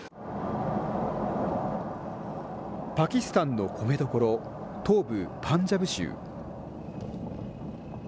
パキスタンの米どころ、東部パンジャブ州。